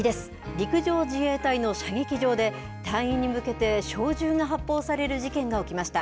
陸上自衛隊の射撃場で、隊員に向けて小銃が発砲される事件が起きました。